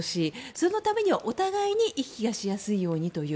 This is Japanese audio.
そのためには、お互いに行き来しやすいようにという。